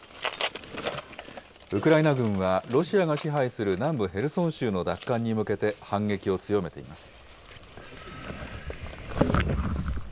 ウクライナ軍はロシアが支配する南部ヘルソン州の奪還に向けて反撃を強めています。